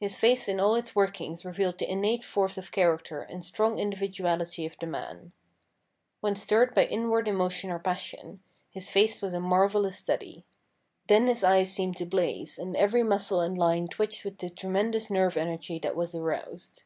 His face in all its workings revealed the innate force of character and strong individuality THE STRANGE STORY OF DR. MARTIN 307 of the man. When stirred by inward emotion or passion, his face was a marvellous study. Then his eyes seemed to blaze, and every muscle and line twitched with the tremendous nerve energy that was aroused.